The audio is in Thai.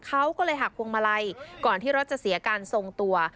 เขาก็เลยหักพวงมาลัยก่อนที่รถจะเสียการทรงตัว